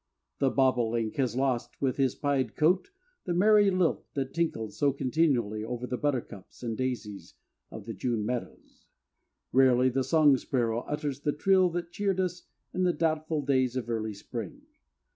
The bobolink has lost, with his pied coat, the merry lilt that tinkled so continually over the buttercups and daisies of the June meadows; rarely the song sparrow utters the trill that cheered us in the doubtful days of early spring.